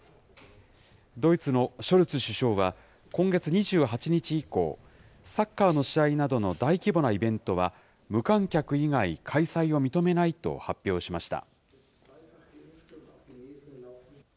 ドイツのショルツ首相は、今月２８日以降、サッカーの試合などの大規模なイベントは、無観客以外、開催は認めないと発表しました。